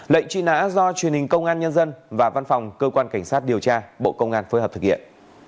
lệnh truy nã do truyền hình công an nhân dân và văn phòng cơ quan cảnh sát điều tra bộ công an phối hợp thực hiện